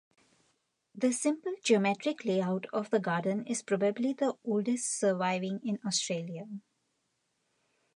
The simple, geometric layout of the garden is probably the oldest surviving in Australia.